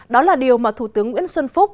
đó là điều mà thủ tướng nguyễn xuân phúc